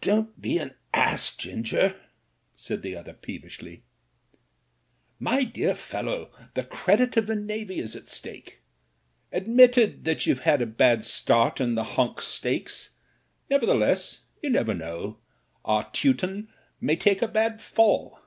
"Don't be an ass. Ginger," said the other peevishly. RETRIBUTION i6i "My dear fellow, the credit of the Navy is at stake. Admitted that you've had a bad start in the Honks stakes, nevertheless — you never know — our Teuton may take a bad fall.